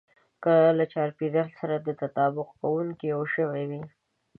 که له چاپېريال سره دا تطابق کوونکی يو ژوی وي.